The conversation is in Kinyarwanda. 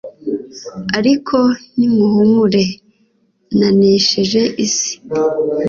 ariko nimuhumure nanesheje isi